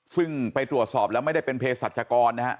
ซึ่งไปตรวจสอบแล้วไม่ได้เป็นเพศรัชกรนะฮะ